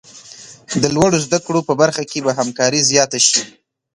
د لوړو زده کړو په برخه کې به همکاري زیاته شي.